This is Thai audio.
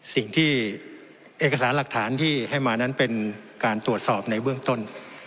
สิ่งที่เอกสารหลักฐานที่ให้มานั้นเป็นการตรวจสอบในเบื้องต้น